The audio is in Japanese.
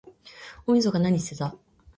大晦日なにしてた？